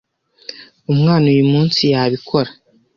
Umwana uyumunsi yabikora.